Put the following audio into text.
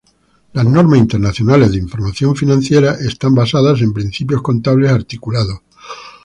Las Normas Internacionales de Información Financiera están basadas en principios contables articulados.